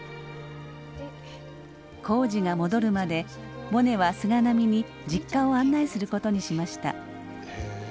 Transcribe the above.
耕治が戻るまでモネは菅波に実家を案内することにしました。